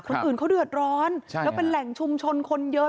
คนอื่นเขาเดือดร้อนแล้วเป็นแหล่งชุมชนคนเยอะ